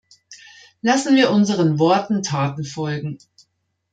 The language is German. Lassen wir unseren Worten Taten folgen.